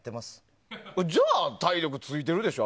じゃあ体力ついてるでしょ。